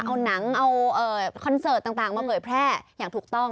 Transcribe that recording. เอาหนังเอาคอนเสิร์ตต่างมาเผยแพร่อย่างถูกต้อง